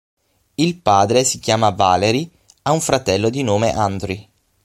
Il padre si chiama Valery, ha un fratello di nome Andrey.